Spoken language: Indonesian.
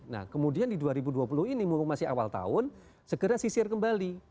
nah kemudian di dua ribu dua puluh ini mumpung masih awal tahun segera sisir kembali